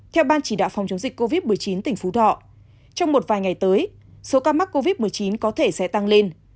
theo ban chỉ đạo phòng chống dịch covid một mươi chín tỉnh phú thọ trong một vài ngày tới số ca mắc covid một mươi chín có thể sẽ tăng lên